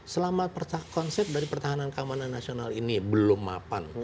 selama konsep dari pertahanan keamanan nasional ini belum mapan